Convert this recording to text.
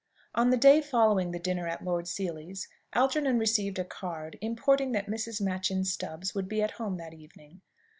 On the day following the dinner at Lord Seely's, Algernon received a card, importing that Mrs. Machyn Stubbs would be at home that evening.